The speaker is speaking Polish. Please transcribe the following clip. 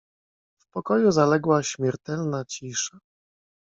"W pokoju zaległa śmiertelna cisza."